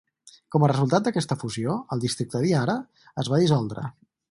Com a resultat d'aquesta fusió, el districte d'Ihara es va dissoldre.